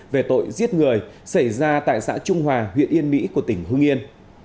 về tội giết người xảy ra tại xã trung hòa huyện yên mỹ của tỉnh hương yên